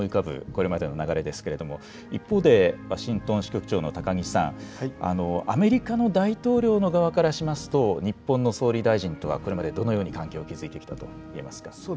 これまでの流れですが、一方でワシントン支局長の高木さん、アメリカの大統領の側からしますと日本の総理大臣とはこれまでどのような関係を築いてきたと言えますか。